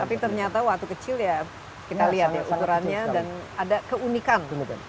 tapi ternyata waktu kecil ya kita lihat ya ukurannya dan ada keunikan